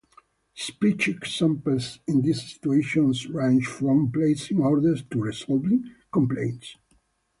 Speech examples in these situations range from placing orders to resolving complaints.